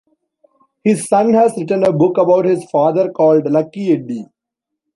His son has written a book about his father called "Lucky Eddie".